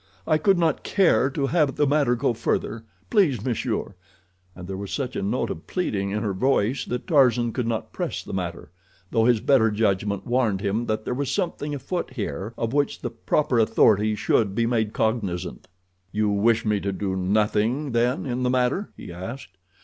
I would not care to have the matter go further, please, monsieur," and there was such a note of pleading in her voice that Tarzan could not press the matter, though his better judgment warned him that there was something afoot here of which the proper authorities should be made cognizant. "You wish me to do nothing, then, in the matter?" he asked.